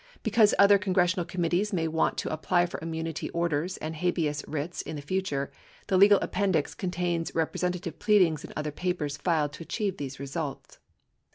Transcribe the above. Because other congressional committees may want to apply for immunity orders and habeas writs in the future, the Legal Appendix contains representative pleadings and other papers filed to achieve these results.